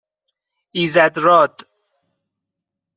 ایزدراد